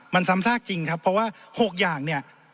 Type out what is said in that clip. มันซ้ำซากจริงครับเพราะว่า๖อย่างเนี่ย